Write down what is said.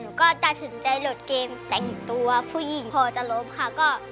หนูก็ถึงจะลดเกมแต่งตัวผู้หญิงโพยาจะลบค่ะ